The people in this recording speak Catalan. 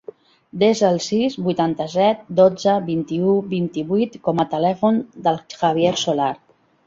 Desa el sis, vuitanta-set, dotze, vint-i-u, vint-i-vuit com a telèfon del Javier Solar.